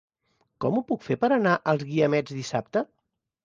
Com ho puc fer per anar als Guiamets dissabte?